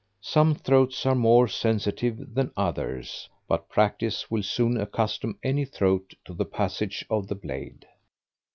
Some throats are more sensitive than others, but practice will soon accustom any throat to the passage of the blade.